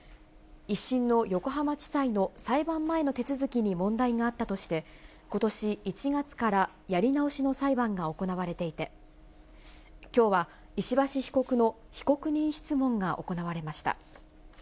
１審の横浜地裁の裁判前の手続きに問題があったとして、ことし１月からやり直しの裁判が行われていて、きょうは石橋被告の被告人質問が行われました。